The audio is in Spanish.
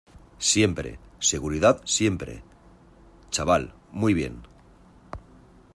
siempre, seguridad , siempre. chaval , muy bien .